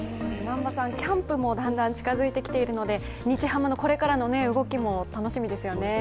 キャンプもだんだん近づいてきているので日ハムのこれからの動きも楽しみですよね。